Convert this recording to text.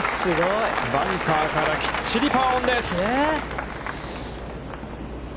バンカーから、きっちりパーオンです。